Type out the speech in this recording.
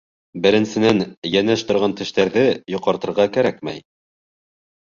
Беренсенән, йәнәш торған тештәрҙе йоҡартырға кәрәкмәй.